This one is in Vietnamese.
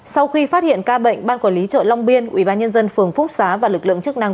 sau khi phát hiện ca bệnh ban quản lý chợ long biên ubnd phường phúc xá và lực lượng chức năng